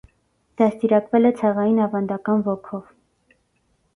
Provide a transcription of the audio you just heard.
Դաստիարակվել է ցեղային ավանդական ոգով։